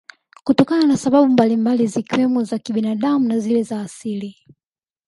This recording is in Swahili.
Kutokana na sababu mbalimbali zikiwemo za kibinadamu na zile za asili